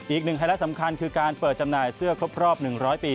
ไฮไลท์สำคัญคือการเปิดจำหน่ายเสื้อครบรอบ๑๐๐ปี